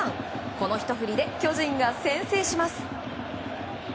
このひと振りで巨人が先制します。